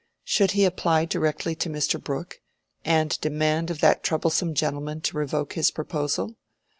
Should he apply directly to Mr. Brooke, and demand of that troublesome gentleman to revoke his proposal?